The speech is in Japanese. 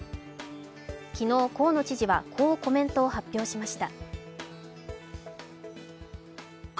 昨日、河野知事はこうコメントを発表しました。